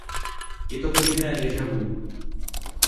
Je to podivné déjà vu.